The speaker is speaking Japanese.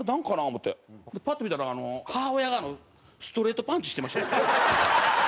思ってパッて見たら母親がストレートパンチしてました。